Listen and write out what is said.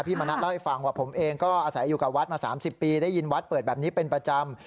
มณัฐเล่าให้ฟังว่าผมเองก็อาศัยอยู่กับวัดมา๓๐ปีได้ยินวัดเปิดแบบนี้เป็นประจำ